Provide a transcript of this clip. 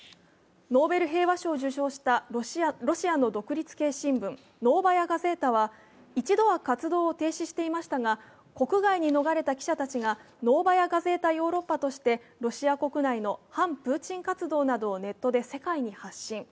ノーベル平和賞を受賞したロシアの独立系新聞、「ノーバヤ・ガゼータ」は一度は活動を停止していましたが、国外に逃れた記者たちが「ノーバヤ・ガゼータヨーロッパ」としてロシア国内の反プーチン活動などをネットで世界に発信。